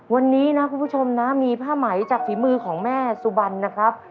วันนี้นะคุณผู้ชมนะมีผ้าไหมจากฝีมือของแม่สุบันนะครับ